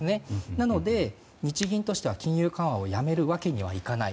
なので、日銀としては金融緩和をやめるわけにはいかない。